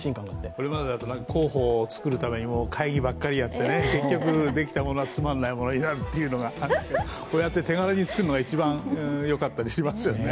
これまでだと広報を作るために会議ばかりやって、結局、できたものはつまんないものになるというのがこうやって手軽にできるのが一番よかったりしますよね。